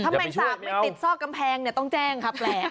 ถ้าแมลงสาปไม่ติดซอกกำแพงต้องแจ้งครับแหละ